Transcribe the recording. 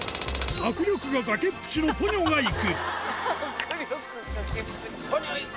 握力が崖っぷちのポニョがいポニョ、行く。